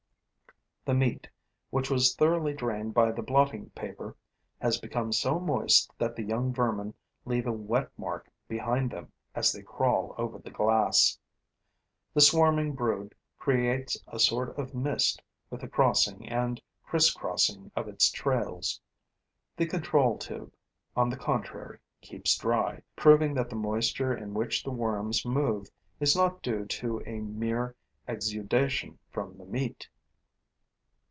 The meat, which was thoroughly drained by the blotting paper, has become so moist that the young vermin leave a wet mark behind them as they crawl over the glass. The swarming brood creates a sort of mist with the crossing and criss crossing of its trails. The control tube, on the contrary, keeps dry, proving that the moisture in which the worms move is not due to a mere exudation from the meat.